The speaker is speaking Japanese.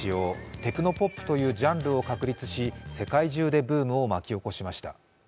テクノポップというジャンルを確立し、世界中でブームを巻き起こしました。